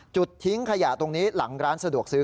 ทิ้งขยะตรงนี้หลังร้านสะดวกซื้อ